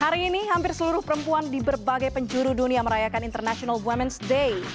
hari ini hampir seluruh perempuan di berbagai penjuru dunia merayakan international women's day